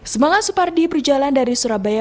semangat supardi berjalan dari surabaya